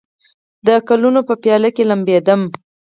د ګلونو په پیالو کې لمبېدمه